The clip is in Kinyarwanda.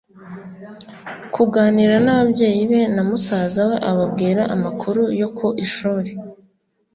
kuganira n’ababyeyi be na musaza we, ababwira amakuru yo ku ishuri